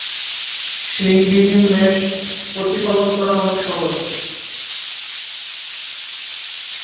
শিং বিহীন মেষ প্রতিপালন করা অনেক সহজ।